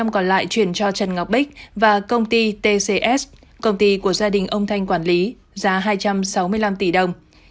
năm còn lại chuyển cho trần ngọc bích và công ty tcs công ty của gia đình ông thanh quản lý giá hai trăm sáu mươi năm tỷ đồng